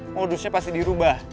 modusnya pasti dirubah